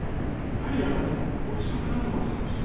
やはり後遺症などが少し出てきて。